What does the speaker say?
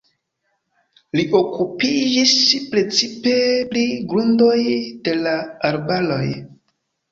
Li okupiĝis precipe pri grundoj de la arbaroj.